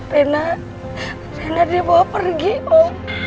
rena rena dibawa pergi om